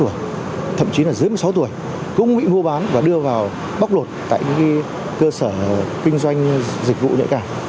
các em đã bị bán vào các cơ sở kinh doanh dịch vụ nhạy cảm